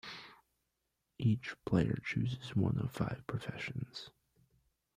Each player chooses one of five professions.